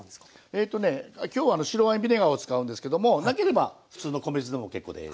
えとね今日は白ワインビネガーを使うんですけどもなければ普通の米酢でも結構です。